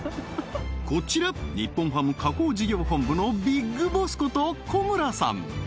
こちら日本ハム加工事業本部のビッグボスこと小村さん